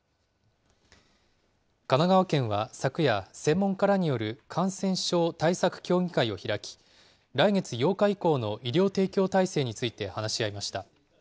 神奈川県は昨夜、専門家らによる感染症対策協議会を開き、来月８日以降の医療提供体制について話し合いました。